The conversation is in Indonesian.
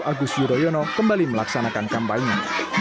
agus yudhoyono kembali melaksanakan kampanye